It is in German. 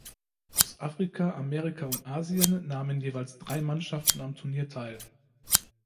Aus Afrika, Amerika und Asien nahmen jeweils drei Mannschaften am Turnier teil.